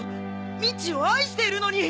ミッチーを愛しているのに！